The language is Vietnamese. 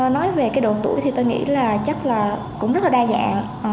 nói về cái độ tuổi thì tôi nghĩ là chắc là cũng rất là đa dạng